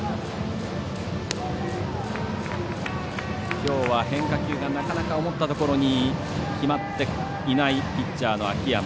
きょうは変化球がなかなか思ったところに決まっていないピッチャーの秋山。